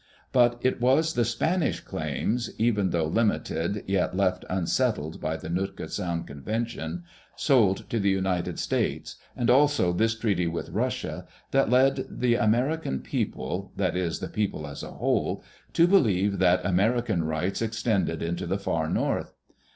But it was the Spanish claims (even though limited yet left un settled by the Nootka Sound Convention) sold to the United States, and also this treaty with Russia, that led the American people — that is, the people as a whole — to believe that American rights extended into the far north.